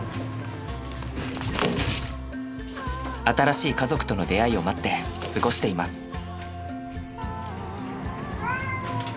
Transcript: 新しい家族との出会いを待って過ごしています。